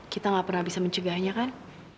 kita nggak pernah bisa mencegahnya kan